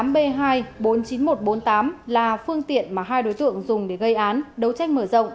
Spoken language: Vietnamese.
chín mươi tám b hai trăm bốn mươi chín nghìn một trăm bốn mươi tám là phương tiện mà hai đối tượng dùng để gây án đấu trách mở rộng